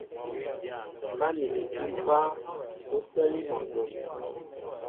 Ka ni etúm páá, o sɛli mol nló.